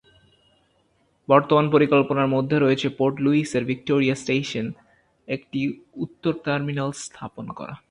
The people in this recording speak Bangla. বর্তমান পরিকল্পনার মধ্যে রয়েছে পোর্ট লুইসের ভিক্টোরিয়া স্টেশন একটি উত্তর টার্মিনাস স্থাপন করা।